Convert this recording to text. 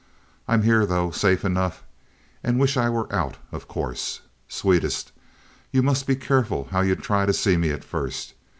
I'm here, though, safe enough, and wish I were out, of course. Sweetest, you must be careful how you try to see me at first.